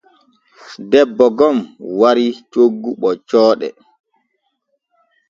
Debbo gom warii coggu ɓoccooɗe.